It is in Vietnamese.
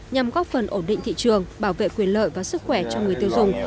nhằm góp phần ổn định thị trường bảo vệ quyền lợi và sức khỏe cho người tiêu dùng